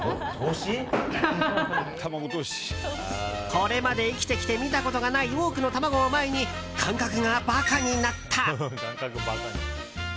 これまで生きてきて見たことがない多くの卵を前に感覚がバカになった。